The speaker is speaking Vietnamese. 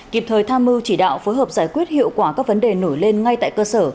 kịp thời tham mưu chỉ đạo phối hợp giải quyết hiệu quả các vấn đề nổi lên ngay tại cơ sở